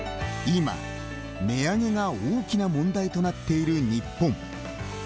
今、値上げが大きな問題となっている日本。